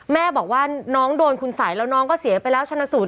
แม่บอกว่าน้องโดนคุณสัยแล้วน้องก็เสียไปแล้วชนะสูต